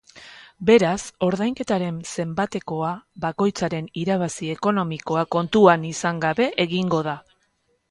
Beraz, ordainketaren zanbatekoa bakoitzaren irabazi ekonomikoak kontuan izan gabe egingo da.